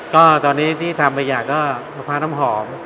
ก็ตอนนี้ที่ทำไปอย่างก็มะพร้าน้ำหอม